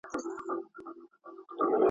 د پاچا په امیرانو کي امیر وو.